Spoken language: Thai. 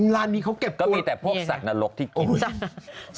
ร้านนี้เขาเก็บตัวจางก็มีแต่พวกสัตว์นรกที่กิน